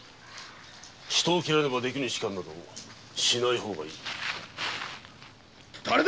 人を斬らねばできぬ仕官などしない方がいい。だれだ！